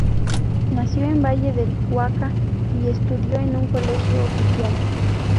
Nació en Valle del Cauca y estudió en un colegio oficial.